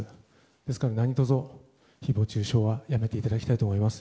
ですから、何卒誹謗中傷はやめていただきたいと思います。